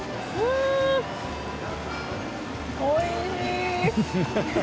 おいしい。